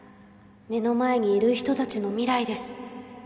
目の前にいる人たちの未来です